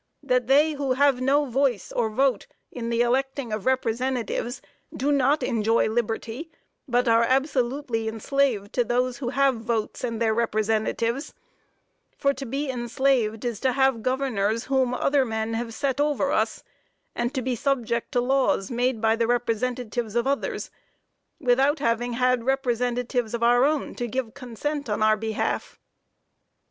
That they who have no voice or vote in the electing of representatives, do not enjoy liberty, but are absolutely enslaved to those who have votes and their representatives; for to be enslaved is to have governors whom other men have set over us, and to be subject to laws made by the representatives of others, without having had representatives of our own to give consent in our behalf."